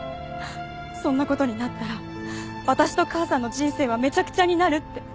そんな事になったら私と母さんの人生はめちゃくちゃになるって。